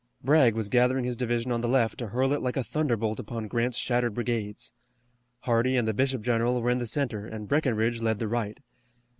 Bragg was gathering his division on the left to hurl it like a thunderbolt upon Grant's shattered brigades. Hardee and the bishop general were in the center, and Breckinridge led the right.